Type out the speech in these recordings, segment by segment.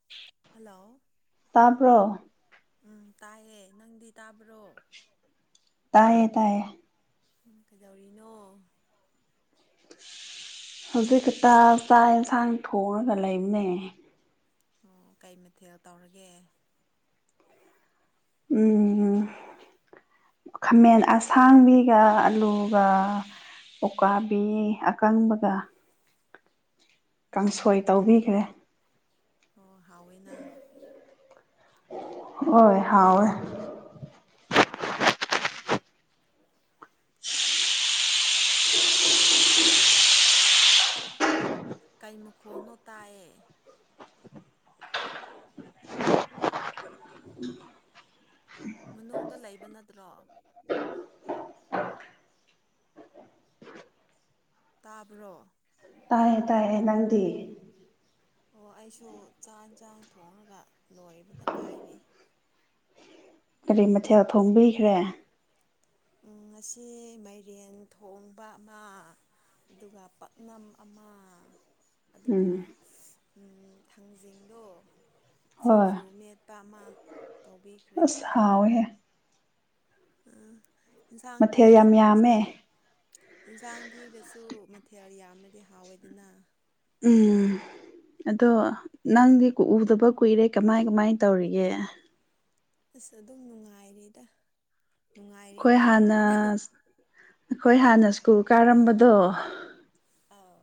[inaudible] Hello ꯇꯥꯄ꯭ꯔꯣ ꯎꯝ ꯇꯥꯏꯌꯦ ꯅꯪꯗꯤ ꯇꯥꯕ꯭ꯔꯣ ꯇꯥꯏꯌꯦ ꯇꯥꯏꯌꯦ ꯎꯝ ꯀꯩꯗꯧꯔꯤꯅꯣ ꯍꯧꯖꯤꯛ ꯈꯛꯇ ꯆꯥꯛ ꯌꯦꯟꯁꯥꯡ ꯊꯣꯡꯉꯒ ꯂꯩꯕꯅꯦ ꯑꯣ ꯀꯩ ꯃꯊꯦꯜ ꯇꯧꯔꯒꯦ ꯎꯝ ꯎꯝ ꯈꯥꯃꯦꯟ ꯑꯁꯥꯡꯕꯤꯒ ꯑꯂꯨꯒ ꯎꯀꯥꯕꯤ ꯑꯀꯪꯕꯒ ꯀꯥꯡꯁꯣꯏ ꯇꯧꯕꯤꯈ꯭ꯔꯦ ꯍꯣ ꯍꯥꯎꯏꯅ ꯍꯣꯏ ꯍꯥꯎꯌꯦ ꯀꯩ ꯃꯈꯣꯜꯅꯣ ꯇꯥꯏꯌꯦ ꯃꯅꯨꯡꯗ ꯂꯩꯕ ꯅꯠꯇ꯭ꯔꯣ ꯇꯥꯕ꯭ꯔꯣ ꯇꯥꯏꯌꯦ ꯇꯥꯏꯌꯦ ꯅꯪꯗꯤ ꯑꯣ ꯑꯩꯁꯨ ꯆꯥꯛ ꯏꯟꯁꯥꯡ ꯊꯣꯡꯔꯒ ꯂꯣꯏꯕꯗ ꯉꯥꯏꯔꯤ ꯀꯔꯤ ꯃꯊꯦꯜ ꯊꯣꯡꯕꯤꯈ꯭ꯔꯦ ꯎꯝ ꯉꯁꯤ ꯃꯥꯏꯔꯦꯟ ꯊꯣꯡꯕ ꯑꯃ ꯑꯗꯨꯒ ꯄꯥꯛꯅꯝ ꯑꯃ ꯎꯝ ꯑꯗꯨꯒ ꯎꯝ ꯊꯥꯡꯖꯤꯡꯗꯣ ꯍꯣꯏ ꯁꯤꯡꯖꯨ ꯃꯦꯠꯄ ꯑꯃ ꯇꯧꯕꯤꯈ꯭ꯔꯦ ꯍꯥꯎꯌꯦꯍꯦ ꯑꯝ ꯏꯟꯁꯥꯡ ꯊꯤ ꯃꯊꯦꯜ ꯏꯟ ꯌꯥꯝ ꯌꯥꯝꯃꯦ ꯏꯟꯁꯥꯡ ꯑꯦꯟꯁꯥꯡ ꯊꯤꯔꯁꯨ ꯃꯊꯦꯜ ꯌꯥꯝꯔꯗꯤ ꯍꯥꯎꯋꯦꯗꯅ ꯎꯝ ꯑꯗꯣ ꯅꯪꯗꯤ ꯎꯗꯕ ꯀꯨꯏꯔꯦ ꯀꯃꯥꯏ ꯀꯃꯥꯏ ꯇꯧꯔꯤꯒꯦ ꯑꯁ ꯑꯗꯨꯝ ꯅꯨꯡꯉꯥꯏꯔꯤꯗ ꯅꯨꯡꯉꯥꯏꯔꯤ ꯑꯩꯈꯣꯏ ꯍꯥꯟꯅ ꯍꯥꯏꯇꯥꯔꯦꯅꯦ ꯑꯩꯈꯣꯏ ꯍꯥꯟꯅ ꯁ꯭ꯀꯨꯜ ꯀꯥꯔꯝꯕꯗꯣ ꯑꯥꯎ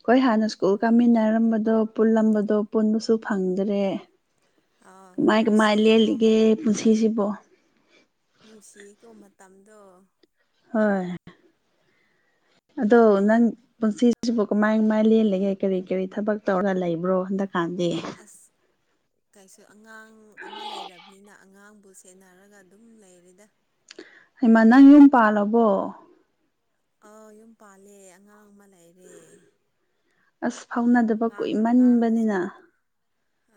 ꯍꯈꯣꯏ ꯍꯥꯟꯅ ꯁ꯭ꯀꯨꯜ ꯀꯥꯃꯤꯟꯅꯔꯝꯕꯗꯣ ꯄꯨꯜꯂꯝꯕꯗꯣ ꯄꯨꯟꯕꯁꯨ ꯐꯪꯗ꯭ꯔꯦ ꯑꯥꯎ ꯀꯃꯥꯏ ꯀꯃꯥꯏ ꯅꯨꯡꯁꯤꯀꯣ ꯂꯦꯜꯂꯤꯒꯦ ꯄꯨꯟꯁꯤꯁꯤꯕꯣ ꯅꯨꯡꯁꯤꯀꯣ ꯃꯇꯝꯗꯣ ꯍꯣꯏ ꯑꯗꯣ ꯅꯪ ꯄꯨꯟꯁꯤꯁꯤꯕꯨ ꯀꯃꯥꯏ ꯀꯃꯥꯏ ꯂꯦꯜꯜꯂꯤꯒꯦ ꯀꯔꯤ ꯀꯔꯤ ꯊꯕꯛ ꯇꯧꯔꯒ ꯂꯩꯕ꯭ꯔꯣ ꯍꯟꯗꯛꯀꯥꯟꯗꯤ ꯑꯁ ꯀꯩꯁꯨ ꯑꯉꯥꯡ ꯑꯃ ꯂꯩꯔꯕꯅꯤꯅ ꯑꯉꯥꯡꯕꯨ ꯁꯦꯟꯅꯔꯒ ꯑꯗꯨꯝ ꯂꯩꯔꯤꯗ ꯍꯩꯃꯟ ꯅꯪ ꯌꯨꯝ ꯄꯥꯜꯂꯕꯣ ꯑꯥꯎ ꯌꯨꯝ ꯄꯥꯜꯂꯦ ꯑꯉꯥꯡ ꯑꯃ ꯂꯩꯔꯦ ꯑꯁ ꯐꯥꯎꯅꯗꯕ ꯑꯉꯥꯡ ꯑꯉꯥꯡꯗꯨꯁꯨ ꯀꯨꯏꯃꯟꯕꯅꯤꯅ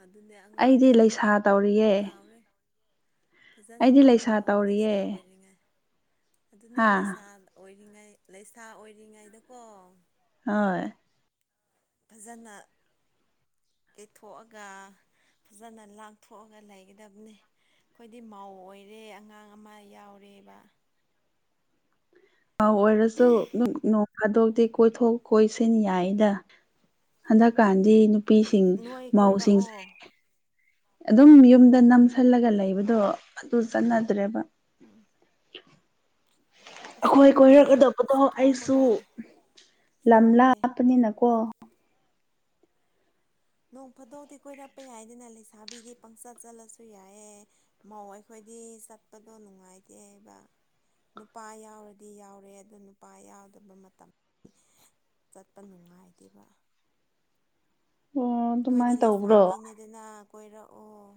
ꯑꯗꯨꯅꯦ ꯑꯩꯗꯤ ꯑꯉꯥꯡꯗꯨꯁꯨ ꯂꯩꯁꯥ ꯇꯧꯔꯤꯌꯦ ꯆꯥꯎꯔꯦ ꯐꯖꯅ ꯑꯩꯗꯤ ꯂꯩꯁꯥ ꯇꯧꯋꯣ ꯂꯩꯁꯥ ꯇꯧꯔꯤꯌꯦ ꯑꯣꯏꯔꯤꯉꯩ ꯑꯗꯨꯅꯦ ꯍꯥ ꯂꯩꯁꯥ ꯑꯣꯏꯔꯤꯉꯩ ꯂꯩꯁꯥ ꯑꯣꯏꯔꯤꯉꯩꯗꯀꯣ ꯍ ꯐꯖꯅ ꯀꯩꯊꯣꯛꯑꯒ ꯐꯖꯅ ꯂꯥꯡꯊꯣꯛꯑꯒ ꯂꯩꯒꯗꯕꯅꯤ ꯑꯩꯈꯣꯏꯗꯤ ꯃꯧ ꯑꯣꯏꯔꯦ ꯑꯉꯥꯡ ꯑꯃ ꯌꯥꯎꯔꯦꯕ ꯑ ꯑꯣꯏꯔꯁꯨ ꯊꯥꯗꯣꯛꯇꯤ ꯀꯣꯏꯊꯣꯛ ꯀꯣꯏꯁꯤꯟ ꯌꯥꯏꯗ ꯍꯟꯗꯛꯀꯥꯟꯗꯤ ꯅꯨꯄꯤꯁꯤꯡ ꯅꯣꯏ ꯃꯥꯎꯁꯤꯡꯁꯦ ꯀꯣꯏꯔꯛꯑꯣ ꯑꯗꯨꯝ ꯌꯨꯝꯗ ꯅꯝꯁꯤꯜꯂꯒ ꯎꯝ ꯂꯩꯕꯗꯣ ꯑꯗꯨ ꯆꯠꯅꯗ꯭ꯔꯦꯕ ꯎꯝ ꯑꯁ ꯑꯩꯈꯣꯏ ꯑꯩꯈꯣꯏꯗꯤ ꯀꯣꯏꯔꯛꯀꯗꯕꯗꯣ ꯑꯩꯁꯨ ꯆꯠꯊꯣꯛꯄꯒ ꯂꯝ ꯁꯪꯗꯦ ꯂꯥꯞꯄꯅꯤꯅꯀꯣ ꯅꯣꯡ ꯐꯥꯗꯧꯗꯤ ꯀꯣꯏꯔꯛꯄ ꯌꯥꯏꯗꯅ ꯂꯩꯁꯥꯕꯤꯗꯤ ꯄꯪꯆꯠ ꯆꯠꯂꯁꯨ ꯌꯥꯏꯌꯦꯦ ꯃꯧ ꯑꯩꯈꯣꯏꯗꯤ ꯆꯠꯄꯗꯣ ꯅꯨꯡꯉꯥꯏꯇꯦꯕ ꯅꯨꯄꯥ ꯌꯥꯎꯔꯗꯤ ꯌꯥꯎꯔꯦ ꯑꯗꯨꯗ ꯅꯨꯄꯥ ꯌꯥꯎꯗꯕ ꯃꯇꯝ ꯆꯠꯄ ꯅꯨꯡꯉꯥꯏꯇꯦꯕ ꯑꯣ ꯅꯣꯏꯗꯤ ꯑꯗꯨꯃꯥꯏꯅ ꯇꯧꯕ꯭ꯔꯣ ꯂꯩꯁꯥꯝꯕꯤꯅꯦꯗꯅ ꯀꯣꯏꯔꯛꯑꯣ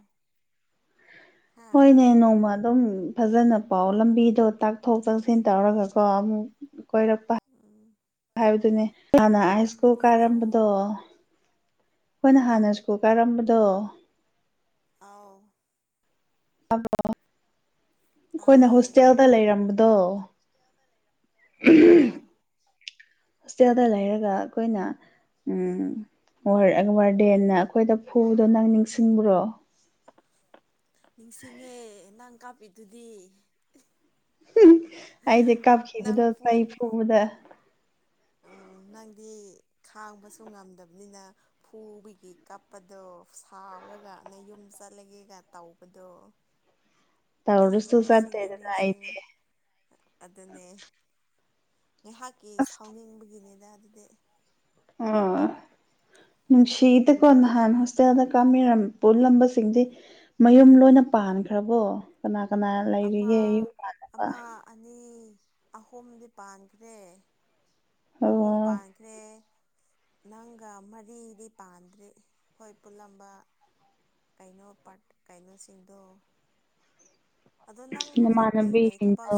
ꯍꯥ ꯍꯣꯏꯅꯦ ꯅꯣꯡꯃ ꯑꯗꯨꯝ ꯐꯖꯅ ꯄꯥꯎ ꯂꯝꯕꯤꯗꯣ ꯇꯥꯛꯊꯣꯛ ꯇꯥꯁꯤꯟ ꯇꯧꯔꯒꯀꯣ ꯑꯃꯨꯛ ꯀꯣꯏꯔꯛꯄ ꯎꯝ ꯍꯥꯏꯕꯗꯨꯅꯦ ꯍꯥꯟꯅ ꯑꯩ ꯎꯝ ꯁꯀꯨꯜ ꯀꯣꯏꯔꯛꯑꯣ ꯀꯥꯔꯝꯕꯗꯣ ꯑꯩꯈꯣꯏꯅ ꯍꯥꯟꯅ ꯎꯝ ꯁ꯭ꯀꯨꯜ ꯀꯔꯛꯄꯗꯣ ꯑꯥꯎ ꯑꯕ [unintelligible] ꯑꯩꯈꯣꯏꯅ ꯇꯥꯏꯌꯦ ꯍꯣꯁꯇꯦꯜꯗ ꯂꯩꯔꯝꯕꯗꯣ [inaudible] ꯍꯣꯁꯇꯦꯜꯗ ꯂꯩꯔꯒ ꯑꯩꯈꯣꯏꯅ ꯎꯝ ꯋꯥꯔꯗꯦꯟꯅ ꯑꯩꯈꯣꯏꯗ ꯐꯨꯗꯣ ꯅꯪ ꯅꯤꯡꯁꯤꯡꯕ꯭ꯔꯣ ꯅꯤꯡꯁꯤꯡꯉꯦ ꯅꯪ ꯀꯥꯞꯄꯤꯗꯨꯗꯤ ꯑꯩꯗꯤ ꯀꯥꯞꯈꯤꯕꯗꯣ ꯅꯪꯄꯨ ꯆꯍꯤ ꯄꯨꯨꯕꯗ ꯅꯪꯗꯤ ꯈꯥꯡꯕꯁꯨ ꯉꯝꯗꯕꯅꯤꯅ ꯐꯨꯕꯒꯤ ꯀꯞꯄꯗꯣ ꯁꯥꯎꯔꯒ ꯑꯅ ꯌꯨꯝ ꯆꯠꯂꯒꯦꯒ ꯇꯧꯕꯗꯣ ꯑ ꯇꯧꯔꯁꯨ ꯅꯤꯡꯁꯤꯡꯉꯦ ꯆꯠꯇꯦꯗꯅ ꯑꯩꯗꯤ ꯅꯤꯡꯁꯤꯡꯉꯦ ꯑꯗꯨꯅꯦ ꯉꯥꯏꯍꯥꯛꯀꯤ ꯑꯁ ꯁꯥꯎꯅꯤꯡꯕꯒꯤꯅꯤꯗ ꯑꯗꯨꯗꯤ ꯑꯣ ꯅꯨꯡꯁꯤꯗꯀꯣ ꯅꯍꯥꯟ ꯍꯣꯁꯇꯦꯜꯗ ꯀꯥꯕꯤꯔꯝꯕ ꯄꯨꯜꯂꯝꯕꯁꯤꯡꯗꯤ ꯃꯌꯨꯝ ꯂꯣꯏꯅ ꯄꯥꯟꯈ꯭ꯔꯕꯣ ꯀꯅꯥ ꯀꯅꯥ ꯂꯩꯔꯤꯒꯦ ꯑꯃ ꯏꯃꯥꯟꯅꯕ ꯑꯃ ꯑꯅꯤ ꯑꯍꯨꯝꯗꯤ ꯄꯥꯟꯈ꯭ꯔꯦ ꯑꯣ ꯑꯍꯨꯝ ꯄꯥꯟꯈ꯭ꯔꯦ ꯅꯪꯒ ꯃꯔꯤꯗꯤ ꯄꯥꯟꯗ꯭ꯔꯤ ꯍꯣꯏ ꯄꯨꯜꯂꯝꯕ ꯀꯩꯅꯣ ꯄꯥꯔꯠ ꯀꯩꯅꯣꯁꯤꯡꯗꯣ ꯑꯗꯣ ꯅꯪ ꯍꯧꯖꯤꯛ ꯀꯩꯀꯩ ꯊꯕꯛ ꯅꯃꯥꯟꯅꯕꯤꯁꯤꯡꯗꯣ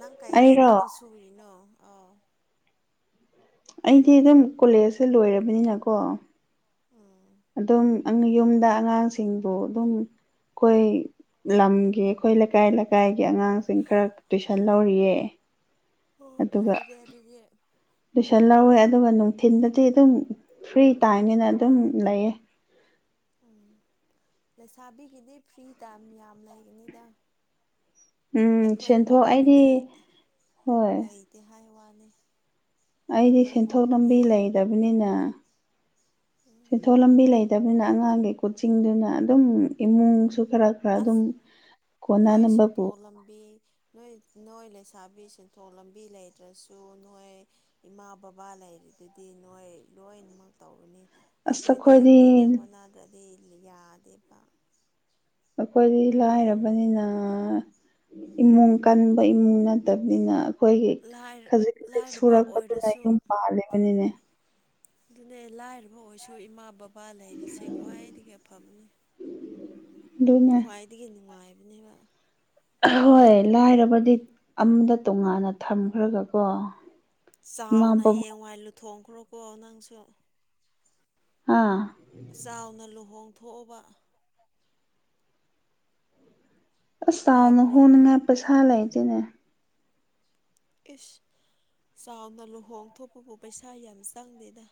ꯅꯪ ꯀꯩꯀꯩ ꯑꯩꯔꯣ ꯊꯕꯛ ꯊꯔꯤꯅꯣ ꯑꯥꯎ ꯑꯩꯗꯤ ꯑꯗꯨꯝ ꯀꯣꯂꯦꯖꯁꯦ ꯂꯣꯏꯔꯕꯅꯤꯅꯀꯣ ꯎꯝ ꯑꯗꯨꯝ ꯌꯨꯝꯗ ꯑꯉꯥꯡꯁꯤꯡꯕꯨ ꯑꯗꯨꯝ ꯑꯩꯈꯣꯏ ꯂꯝ ꯑꯩꯈꯣꯏ ꯂꯩꯀꯥꯏ ꯂꯩꯀꯥꯏꯒꯤ ꯑꯉꯥꯡꯁꯤꯡ ꯈꯔ ꯇꯨꯏꯁꯟ ꯂꯧꯔꯤꯌꯦ ꯑꯣ ꯑꯗꯨꯒ ꯐꯩꯔꯦ ꯑꯗꯨꯗꯤ ꯇꯨꯏꯁꯟ ꯂꯧꯋꯦ ꯑꯗꯨꯒ ꯅꯨꯡꯊꯤꯟꯗꯗꯤ ꯑꯗꯨꯝ ꯐ꯭ꯔꯤ ꯇꯥꯏꯅꯦꯅ ꯑꯗꯨꯝ ꯂꯩꯌꯦ ꯎꯝ ꯂꯩꯁꯥꯕꯤꯒꯤꯗꯤ ꯐ꯭ꯔꯤ ꯇꯥꯏꯝ ꯌꯥꯝ ꯂꯩꯒꯅꯤꯗ ꯎꯝ ꯑꯩꯈꯣꯏ ꯁꯦꯟꯊꯣꯛ ꯑꯩꯗꯤ ꯃꯧꯒꯤꯗꯤ ꯍꯣꯏ ꯂꯩꯇꯦ ꯍꯥꯏ ꯋꯥꯅꯤ ꯑꯩꯗꯤ ꯑꯩꯈꯣꯏ ꯁꯦꯟꯊꯣꯛ ꯂꯝꯕꯤ ꯃꯧꯒꯤꯗꯤ ꯂꯩꯇꯕꯅꯤꯅ ꯎꯝ ꯁꯦꯟꯊꯣꯛ ꯂꯝꯕꯤ ꯂꯩ ꯂꯩꯇꯕꯅꯤꯅ ꯑꯉꯥꯡꯒꯤ ꯀꯣꯆꯤꯡꯗꯨꯅ ꯑꯗꯨꯝ ꯏꯃꯨꯡꯁꯨ ꯈꯔ ꯈꯔ ꯑꯗꯨꯝ ꯑꯁ ꯅꯣꯏ ꯀꯣꯟꯅꯅꯕꯕꯨ ꯁꯦꯟꯊꯣꯛ ꯂꯝꯕꯤ ꯅꯣꯏ ꯅꯣꯏ ꯂꯩꯁꯥꯕꯤ ꯁꯦꯟꯊꯣꯛ ꯂꯝꯕꯤ ꯂꯩꯇ꯭ꯔꯁꯨ ꯅꯣꯏ ꯏꯃꯥ ꯕꯕꯥ ꯂꯩꯔꯤꯗꯨꯗꯤ ꯅꯣꯏ ꯂꯣꯏꯅꯃꯛ ꯇꯧꯕꯅꯤ ꯑꯩꯈꯣꯏꯗꯤ ꯑꯩꯈꯣꯏꯅ ꯍꯣꯠꯅꯗꯗꯤ ꯌꯥꯗꯦꯕ ꯑꯩꯈꯣꯏꯗꯤ ꯂꯥꯏꯔꯕꯅꯤꯅ ꯏꯃꯨꯡ ꯀꯟꯕ ꯏꯃꯨꯡ ꯅꯠꯇꯕꯅꯤꯅ ꯑꯩꯈꯣꯏꯒꯤ ꯈꯖꯤꯛ ꯈꯖꯤꯛ ꯂꯥꯏꯔꯕ ꯁꯨꯔꯛꯄꯗꯨꯅ ꯑꯣꯏꯔꯁꯨ ꯌꯨꯝ ꯄꯥꯜꯂꯤꯕꯅꯤꯅꯦ ꯑꯗꯨꯅꯦ ꯂꯥꯏꯔꯕ ꯑꯣꯏꯔꯁꯨ ꯏꯃꯥ ꯕꯕꯥ ꯂꯩꯔꯤꯁꯦ ꯈ꯭ꯋꯥꯏꯗꯒꯤ ꯐꯕꯅꯦ ꯑꯗꯨꯃ ꯈ꯭ꯋꯥꯏꯗꯒꯤ ꯅꯨꯡꯉꯥꯏꯕꯅꯦꯕ ꯍꯣꯏ ꯂꯥꯏꯔꯕꯗꯤ ꯑꯃꯗ ꯇꯣꯉꯥꯟꯅ ꯊꯝꯈ꯭ꯔꯒꯀꯣ ꯏꯃꯥ ꯆꯥꯎꯅ ꯕꯕꯥ ꯍꯌꯦꯡꯋꯥꯏ ꯂꯨꯊꯣꯛꯈ꯭ꯔꯣꯀꯣ ꯅꯪꯁꯨ ꯑꯥ ꯆꯥꯎꯅ ꯂꯨꯍꯣꯡ ꯊꯣꯛꯑꯣꯕ ꯑꯁ ꯇꯥꯎꯅ ꯇꯥꯕ꯭ꯔꯣ ꯍꯣꯡꯅꯤꯡꯉꯥꯏ ꯄꯩꯁꯥ ꯂꯩꯗꯤꯅꯦ ꯏꯁ ꯆꯥꯎꯅ ꯂꯨꯍꯣꯡ ꯊꯣꯛꯄꯕꯨ ꯄꯩꯁꯥ ꯌꯥꯝ ꯆꯪꯗꯦꯗ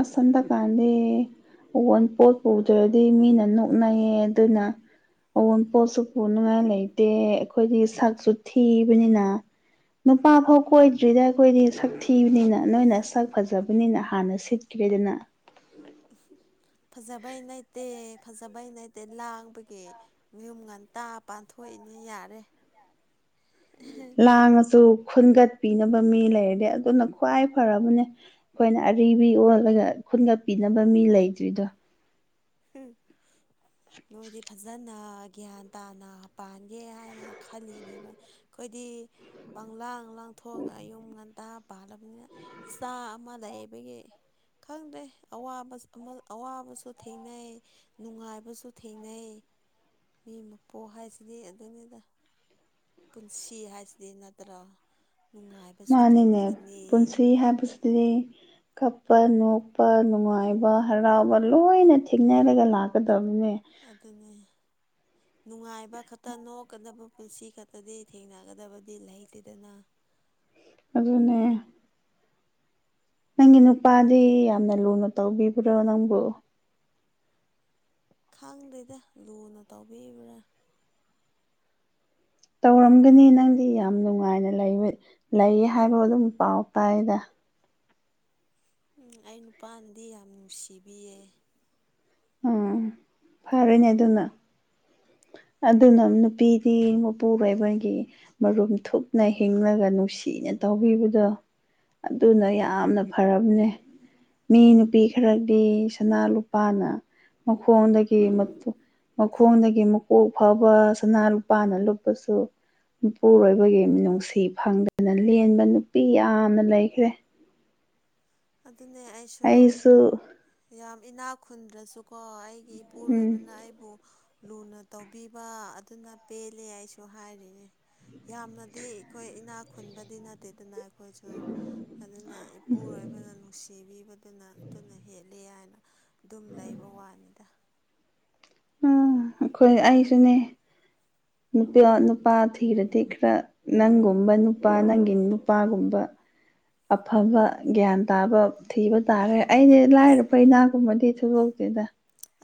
ꯑꯁꯟꯗ ꯀꯥꯟꯗꯦ ꯑꯣꯣꯟ ꯄꯣꯠ ꯄꯨꯗ꯭ꯔꯗꯤ ꯃꯤꯅ ꯅꯣꯛꯅꯩꯌꯦ ꯑꯗꯨꯅ ꯑꯋꯣꯟꯄꯣꯠꯁꯨ ꯄꯨꯅꯤꯡꯉꯥꯏ ꯂꯩꯇꯦ ꯑꯩꯈꯣꯏꯗꯤ ꯁꯛꯁꯨ ꯊꯤꯕꯅꯤꯅ ꯅꯨꯄꯥ ꯐꯥꯎ ꯀꯣꯏꯗ꯭ꯔꯤꯗ ꯑꯩꯈꯣꯏꯗꯤ ꯁꯛ ꯊꯤꯕꯅꯤꯅ ꯅꯣꯏꯅ ꯁꯛ ꯐꯖꯕꯅꯤꯅ ꯍꯥꯟꯅ ꯁꯤꯠ ꯆꯛꯈꯤꯕꯦꯗꯅ ꯎ ꯐꯖꯕꯩ ꯂꯩꯇꯦ ꯐꯖꯕꯩ ꯂꯩꯇꯦ ꯂꯥꯡꯕꯒꯤ ꯌꯨꯝ ꯉꯟꯇꯥ ꯄꯥꯟꯊꯣꯛꯏꯅꯦ ꯌꯥꯔꯦ ꯀꯥꯡꯢꯡꯉꯁꯨ ꯈꯨꯟꯒꯠꯄꯤꯅꯕ ꯃꯤ ꯂꯩꯔꯗꯤ ꯑꯗꯨꯅ ꯈ꯭ꯋꯥꯏ ꯐꯔꯕꯅꯦ ꯑꯩꯈꯣꯏꯅ ꯑꯔꯤꯕꯤ ꯑꯣꯜꯂꯒ ꯈꯨꯟꯒ ꯄꯤꯅꯕ ꯃꯤ ꯂꯩꯇ꯭ꯔꯤꯗꯣ ꯍꯝ ꯅꯣꯏꯗꯤ ꯐꯖꯅ ꯒ꯭ꯌꯥꯟ ꯇꯥꯅ ꯄꯥꯟꯒꯦ ꯍꯥꯏꯅ ꯈꯜꯂꯤꯅꯦꯕ ꯑꯩꯈꯣꯏꯗꯤ ꯄꯪꯂꯥꯡ ꯂꯥꯡꯊꯣꯛꯑꯒ ꯌꯨꯝ ꯉꯟꯇꯥ ꯄꯥꯜꯂꯕꯅꯤꯅ ꯏꯆꯥ ꯑꯃꯗ ꯑꯩꯕꯒꯤ ꯈꯪꯗꯦ ꯑꯋꯥꯕ ꯑꯃ ꯑꯋꯥꯕꯁꯨ ꯊꯦꯡꯅꯩ ꯅꯨꯡꯉꯥꯏꯕꯁꯨ ꯊꯦꯡꯅꯩ ꯃꯤ ꯃꯄꯣꯛ ꯍꯥꯏꯁꯤꯗꯤ ꯑꯗꯨꯅꯤꯗ ꯄꯨꯟꯁꯤ ꯍꯥꯏꯁꯤꯗꯤ ꯅꯠꯇ꯭ꯔꯥ ꯅꯨꯡꯉꯥꯏꯕꯁꯨ ꯊꯦꯡꯅꯒꯅꯤ ꯑꯗꯨꯅꯦ ꯀꯞꯄ ꯅꯣꯛꯄ ꯅꯨꯡꯉꯥꯏꯕ ꯍꯔꯥꯎꯕ ꯂꯣꯏꯅ ꯊꯦꯡꯅꯔꯒ ꯂꯥꯛꯀꯗꯕꯅꯦ ꯑꯗꯨꯅꯦ ꯅꯨꯡꯉꯥꯏꯕ ꯈꯛꯇ ꯅꯣꯛꯀꯗꯕ ꯄꯨꯟꯁꯤ ꯈꯛꯇꯗꯤ ꯊꯦꯡꯅꯒꯗꯕꯗꯤ ꯂꯩꯇꯦꯗꯅ ꯑꯗꯨꯅꯦ ꯅꯪꯒꯤ ꯅꯨꯄꯥꯗꯤ ꯌꯥꯝꯅ ꯂꯨꯅ ꯇꯧꯕꯤꯕ꯭ꯔꯣ ꯅꯪꯕꯨ ꯈꯪꯗꯦꯗ ꯂꯨꯅ ꯇꯧꯕꯤꯕ꯭ꯔꯥ ꯇꯧꯔꯝꯒꯅꯤ ꯅꯪꯗꯤ ꯌꯥꯝ ꯅꯨꯡꯉꯥꯏꯅ ꯂꯩꯕ ꯂꯩ ꯍꯥꯏꯕ ꯑꯗꯨꯝ ꯄꯥꯎ ꯇꯥꯏꯗ ꯎꯝ ꯑꯩ ꯅꯨꯄꯥꯅꯗꯤ ꯌꯥꯝ ꯅꯨꯡꯁꯤꯕꯤꯌꯦ ꯎꯝ ꯐꯔꯅꯦ ꯑꯗꯨꯅ ꯑꯗꯨꯅ ꯑꯗꯨꯅꯦ ꯅꯨꯄꯤꯗꯤ ꯃꯄꯨꯔꯕꯣꯏꯕꯒꯤ ꯃꯔꯨꯝ ꯊꯨꯞꯅ ꯍꯤꯡꯂꯒ ꯅꯨꯡꯁꯤꯅ ꯇꯧꯕꯤꯕꯗꯣ ꯑꯗꯨꯅ ꯑ ꯌꯥꯝꯅ ꯐꯔꯕꯅꯦ ꯃꯤ ꯅꯨꯄꯤ ꯈꯔꯗꯤ ꯁꯅꯥ ꯂꯨꯄꯥꯅ ꯃꯈꯣꯡꯗꯒꯤ ꯃꯈꯣꯡꯗꯒꯤ ꯃꯀꯣꯛ ꯐꯥꯎꯕ ꯁꯅꯥ ꯂꯨꯄꯥꯅ ꯂꯨꯞꯄꯁꯨ ꯃꯄꯨꯔꯣꯏꯕꯒꯤ ꯅꯨꯡꯁꯤ ꯐꯪꯗꯅ ꯂꯦꯟꯕ ꯅꯨꯄꯤ ꯌꯥꯝꯅ ꯂꯩꯈ꯭ꯔꯦ ꯑꯗꯨꯅꯦ ꯑꯩꯁꯨ ꯌꯥꯝ ꯏꯅꯥꯛ ꯈꯨꯟꯗ꯭ꯔꯁꯨꯀꯣ ꯑꯩ ꯑꯩꯒꯤ ꯎꯝ ꯏꯄꯨꯔꯣꯏꯕꯅ ꯑꯩꯕꯨ ꯂꯨꯅ ꯇꯧꯕꯤꯕ ꯑꯗꯨꯅ ꯄꯦꯜꯂꯦ ꯑꯩꯁꯨ ꯍꯥꯏꯔꯤꯅꯦ ꯌꯥꯝꯅꯗꯤ ꯑꯩꯈꯣꯏ ꯏꯅꯥꯛ ꯈꯨꯟꯕꯗꯤ ꯅꯠꯇꯦꯗꯅ ꯑꯩꯈꯣꯏꯁꯨ ꯑꯗꯨꯅ ꯏꯄꯨꯔꯣꯏꯕ ꯍꯥꯏꯤꯕꯅ ꯅꯨꯡꯁꯤꯕꯤꯕꯗꯨꯅ ꯑꯗꯨꯅ ꯍꯦꯂ ꯍꯥꯏꯅ ꯑꯗꯨꯝ ꯂꯩꯕ ꯋꯥꯅꯤꯗ ꯎꯝ ꯑꯩꯈꯣꯏ ꯑꯩꯁꯨꯅꯦ ꯅꯨꯄꯤ ꯅꯨꯄꯥ ꯊꯤꯔꯗꯤ ꯈꯔ ꯅꯪꯒꯨꯝꯕ ꯅꯨꯄꯥ ꯅꯪꯒꯤ ꯅꯨꯄꯥꯒꯨꯝꯕ ꯑꯐꯕ ꯒ꯭ꯌꯥꯟ ꯇꯥꯕ ꯊꯤꯕ ꯇꯥꯔꯦ ꯑꯩꯗꯤ ꯑꯁ ꯂꯥꯏꯔꯕ ꯏꯅꯥꯛꯀꯨꯝꯕꯗꯤ ꯊꯣꯏꯗꯣꯛꯇꯦꯗ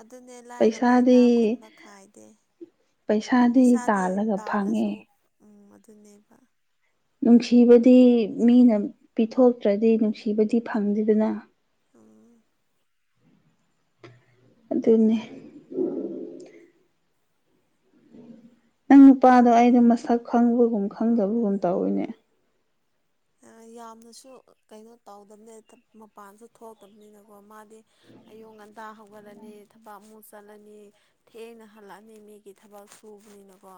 ꯑꯗꯨꯅꯦ ꯂꯥꯏꯔꯕ ꯏꯅꯥ ꯈꯨꯟꯕ ꯈꯥꯏꯗꯦ ꯄꯩꯁꯥꯗꯤ ꯇꯥꯜꯂꯒ ꯐꯪꯉꯦ ꯇꯥꯜꯂꯁꯨ ꯎꯝ ꯑꯗꯨꯅꯦꯕ ꯅꯨꯡꯁꯤꯕꯗꯤ ꯃꯤꯅ ꯄꯤꯊꯣꯛꯇ꯭ꯔꯗꯤ ꯅꯨꯡꯁꯤꯕꯗꯤ ꯐꯪꯗꯦꯗꯅ ꯎꯝ ꯑꯗꯨꯅꯤ ꯅꯪ ꯅꯨꯄꯥꯗꯣ ꯑꯩꯩꯅꯣ ꯃꯁꯛ ꯈꯪꯕꯒꯨꯝ ꯈꯪꯗꯕꯒꯨꯝ ꯇꯧꯋꯤꯅꯦ ꯌꯥꯝꯅꯁꯨ ꯀꯩꯅꯣ ꯇꯧꯗꯕꯅꯤ ꯃꯄꯥꯟꯁꯨ ꯊꯣꯛꯇꯕꯅꯤꯅꯀꯣ ꯃꯥꯗꯤ ꯑꯌꯨꯛ ꯉꯟꯇꯥ ꯍꯧꯒꯠꯂꯅꯤ ꯊꯕꯛ ꯑꯃꯨꯛ ꯆꯠꯂꯅꯤ ꯊꯦꯡꯅ ꯍꯜꯂꯛꯑꯅꯤ ꯃꯤꯒꯤ ꯊꯕꯛ ꯁꯨꯕꯅꯤꯅꯀꯣ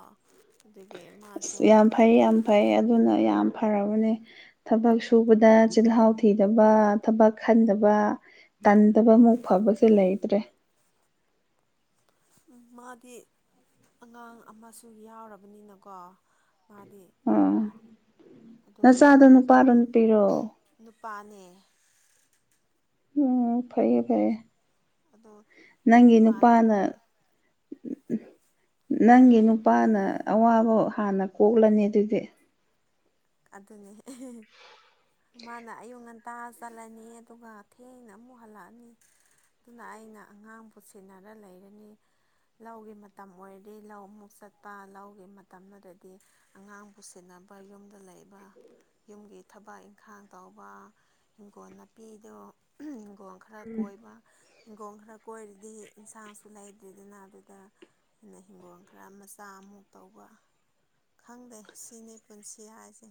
ꯑꯗꯨꯒꯤ ꯃꯥꯁꯨ ꯑꯁ ꯌꯥꯝ ꯐꯩ ꯌꯥꯝ ꯐꯩ ꯑꯗꯨꯅ ꯌꯥꯝ ꯐꯔꯕꯅꯦ ꯊꯕꯛ ꯁꯨꯕꯗ ꯆꯤꯜꯍꯥꯎ ꯊꯤꯗꯕ ꯊꯕꯛ ꯈꯟꯗꯕ ꯇꯟꯗꯕ ꯃꯨꯛ ꯐꯕꯁꯦ ꯂꯩꯇ꯭ꯔꯦ ꯃꯥꯗꯤ ꯑꯉꯥꯡ ꯑꯃꯁꯨ ꯌꯥꯎꯔꯕꯅꯤꯅꯀꯣ ꯃꯥꯗꯤ ꯑꯥ ꯑꯣ ꯅꯆꯥꯗꯣ ꯅꯨꯄꯥꯔꯣ ꯅꯨꯄꯤꯔꯣ ꯅꯨꯄꯥꯅꯦ ꯎꯝ ꯐꯌꯦ ꯐꯌꯦ ꯑꯗꯣ ꯅꯪꯒꯤ ꯃꯥ ꯅꯨꯄꯥꯅ ꯅꯪꯒꯤ ꯅꯨ ꯅꯨꯄꯥꯅ ꯑꯋꯥꯕ ꯍꯥꯟꯅ ꯀꯣꯛꯂꯅꯤ ꯑꯗꯨꯗꯤ ꯑꯗꯨꯅꯦ ꯃꯥꯅ ꯑꯌꯨꯛ ꯉꯟꯇꯥ ꯆꯠꯂꯅꯤ ꯑꯗꯨꯒ ꯊꯦꯡꯅ ꯑꯃꯨꯛ ꯍꯜꯂꯛꯑꯅꯤ ꯑꯗꯨꯅ ꯑꯩꯅ ꯑꯉꯥꯡꯕꯨ ꯁꯤꯟꯅꯔ ꯂꯩꯔꯅꯤ ꯂꯧꯒꯤ ꯃꯇꯝ ꯑꯣꯏꯔꯗꯤ ꯂꯧ ꯑꯃꯨꯛ ꯆꯠꯄ ꯂꯧꯒꯤ ꯃꯇꯝ ꯅꯠꯇꯔꯗꯤ ꯑꯉꯥꯡꯕꯨ ꯁꯦꯟꯅꯕ ꯌꯨꯝꯗ ꯂꯩꯕ ꯌꯨꯝꯒꯤ ꯊꯕꯛ ꯏꯪꯈꯥꯡ ꯇꯧꯕ ꯏꯤꯡꯈꯣꯜ ꯅꯥꯄꯤꯗꯣ ꯍꯤꯡꯒꯣꯜ꯫ ꯈꯔ ꯀꯣꯏꯕ ꯏꯪꯒꯣꯜ ꯈꯔ ꯀꯣꯏꯔꯗꯤ ꯏꯟꯁꯥꯡꯁꯨ ꯂꯩꯇ꯭ꯔꯦꯗꯅ ꯑꯗꯨꯗ꯫ ꯑꯩꯅ ꯍꯤꯡꯒꯣꯜ ꯈꯔ ꯃꯆꯥ ꯑꯃꯨꯛ ꯇꯧꯕ ꯈꯪꯗꯦ ꯁꯤꯅꯤ ꯄꯨꯟꯁꯤ꯫ ꯌꯥꯔꯦꯁꯦ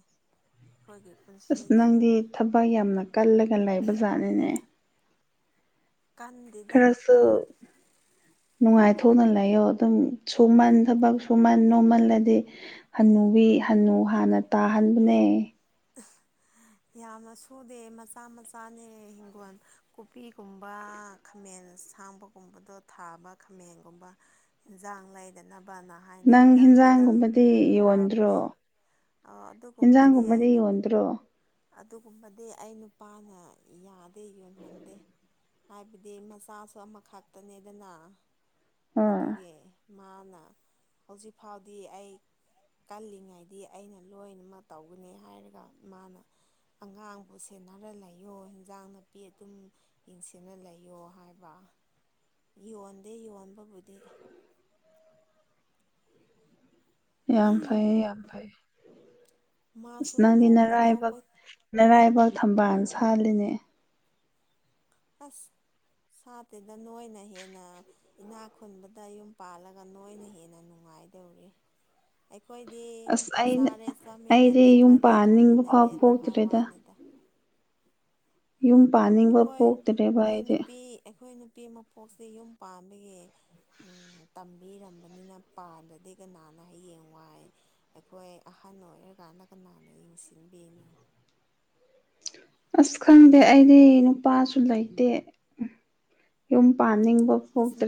ꯈꯣꯏꯒꯤ ꯈ꯭ꯔꯁ ꯑꯁ ꯅꯪꯗꯤ ꯊꯕꯛ ꯌꯥꯝꯅ ꯀꯜꯂꯒ ꯂꯩꯕ ꯖꯥꯠꯅꯤꯅꯦ ꯀꯟꯗꯦꯗ [unintelligible] ꯅꯨꯡꯉꯥꯏꯊꯣꯛꯅ ꯂꯩꯌꯣ ꯑꯗꯨꯝ ꯁꯨꯃꯟ ꯊꯕꯛ ꯁꯨꯃꯟ ꯅꯣꯝꯃꯜꯂꯗꯤ ꯍꯟꯅꯨꯕꯤ ꯍꯟꯅꯨ ꯍꯥꯟꯅ ꯇꯥꯍꯟꯕꯅꯦ ꯌꯥꯝꯅ ꯁꯨꯗꯦ ꯃꯆꯥ ꯃꯆꯥꯅꯦ ꯍꯤꯡꯒꯣꯟ ꯀꯨꯞꯄꯤꯒꯨꯝꯕ ꯈꯥꯃꯦꯟ ꯑꯁꯥꯡꯕꯒꯨꯝꯕꯗꯣ ꯊꯥꯕ ꯈꯥꯃꯦꯟꯒꯨꯝꯕ ꯏꯟꯖꯥꯡ ꯂꯩꯗꯅꯕꯅ ꯍꯥꯏꯅ ꯅꯪ ꯈꯤꯇꯪ ꯈꯤꯇꯪ ꯍꯤꯟꯖꯥꯡꯒꯨꯝꯕꯗꯤ ꯊꯥꯕꯅꯦ ꯌꯣꯟꯗ꯭ꯔꯣ ꯑ ꯑꯗꯨꯒꯨꯝꯕꯗꯤ ꯍꯤꯟꯖꯥꯡꯒꯨꯝꯕꯗꯤ ꯑꯩꯅ ꯌꯣꯟꯗ꯭ꯔꯣ ꯑꯗꯨꯒꯨꯝꯕꯗꯤ ꯑꯩ ꯅꯨꯄꯥꯅ ꯌꯥꯗꯦ ꯌꯣꯟꯍꯟꯗꯦ ꯍꯥꯏꯕꯗꯤ ꯃꯆꯥꯁꯨ ꯑꯃꯈꯛꯇꯅꯦꯗꯅ ꯑꯥ ꯑꯗꯨꯒꯤ ꯃꯥꯅ ꯍꯧꯖꯤꯛ ꯐꯥꯎꯗꯤ ꯑꯩ ꯀꯜꯂꯤꯉꯩꯗꯤ ꯑꯩꯅ ꯂꯣꯏꯅꯃꯛ ꯇꯧꯒꯅꯤ ꯍꯥꯏꯔꯒ ꯃꯥꯅ ꯑꯉꯥꯡꯕꯨ ꯁꯦꯟꯅꯔ ꯂꯩꯌꯣ ꯏꯟꯖꯥꯡ ꯅꯥꯄꯤ ꯑꯗꯨꯝ ꯌꯦꯡꯁꯤꯟꯅ ꯂꯩꯌꯣ ꯍꯥꯏꯕ ꯌꯣꯟꯗꯦ ꯌꯣꯟꯕꯕꯨꯗꯤ ꯌꯥꯝ ꯐꯩꯌꯦ ꯌꯥꯝ ꯐꯩꯌꯦ ꯑꯁ ꯃꯥꯁꯨ ꯅꯪꯗꯤ ꯅꯣꯡ ꯐꯥꯗꯣꯛ ꯅꯔꯥꯏꯕꯛ ꯀꯣꯏ ꯅꯔꯥꯏꯕ ꯊꯝꯕꯥꯜ ꯁꯥꯜꯂꯤꯅꯦ ꯑꯁ ꯁꯥꯇꯦꯗ ꯅꯣꯏꯅ ꯍꯦꯟꯅ ꯏꯅꯥꯛ ꯈꯨꯟꯕꯗ ꯌꯨꯝ ꯄꯥꯜꯂꯒ ꯅꯣꯏꯅ ꯍꯦꯟꯅ ꯅꯨꯡꯉꯥꯏꯗꯧꯔꯤ ꯑꯩꯈꯣꯏꯗꯤ ꯑꯁ ꯑꯩꯅ ꯆꯥꯔꯦ ꯑꯩꯗꯤ ꯆꯥꯃꯤꯟꯅꯔꯦ ꯌꯨꯝ ꯊꯛꯔꯦ ꯄꯥꯟꯅꯤꯡꯕ ꯊꯛꯃꯤꯟꯅꯔꯦ ꯐꯥꯎ ꯑꯗꯨ ꯍꯥꯏ ꯄꯣꯛꯇ꯭ꯔꯦꯗ ꯋꯥꯅꯤꯗ ꯌꯨꯝ ꯎꯝ ꯄꯥꯅꯤꯡꯕ ꯑꯩꯈꯣꯏ ꯄꯣꯛꯇ꯭ꯔꯦꯕ ꯑꯩꯈꯣꯏ ꯑꯩꯗꯤ ꯅꯨꯄꯤ ꯑꯩꯈꯣꯏ ꯅꯨꯄꯤ ꯃꯄꯣꯛꯁꯦ ꯌꯨꯝ ꯄꯥꯜꯂꯦ ꯎꯝ ꯇꯝꯕꯤꯔꯝꯕꯅꯤꯅ ꯄꯥꯟꯗꯗꯤ ꯀꯅꯥꯟꯅ ꯍꯌꯦꯡ ꯋꯥꯏ ꯑꯩꯈꯣꯏ ꯑꯍꯟ ꯑꯣꯏꯔꯀꯥꯟꯗ ꯀꯅꯥꯅ ꯌꯦꯡꯁꯤꯟꯕꯤꯅꯤ ꯑꯁ ꯈꯪꯗꯦ ꯑꯩꯗꯤ ꯅꯨꯄꯥꯁꯨ ꯂꯩꯇꯦ ꯎꯝ꯫ ꯌꯨꯝ ꯄꯥꯅꯤꯡꯕ ꯑꯁ ꯐꯣꯛꯇ꯭ꯔꯦ꯫